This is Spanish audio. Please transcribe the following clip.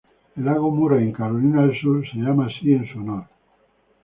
El Lago Murray en Carolina del Sur está llamado en su honor.